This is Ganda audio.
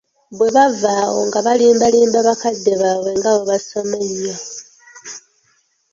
Bwe bava awo nga balimbalimba bakadde baabwe nga bwe basoma ennyo